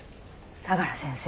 相良先生。